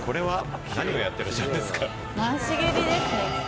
回し蹴りですね。